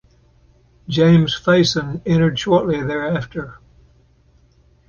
James Faison entered shortly thereafter.